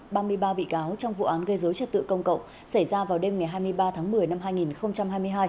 ba mươi ba bị cáo trong vụ án gây dối trật tự công cộng xảy ra vào đêm ngày hai mươi ba tháng một mươi năm hai nghìn hai mươi hai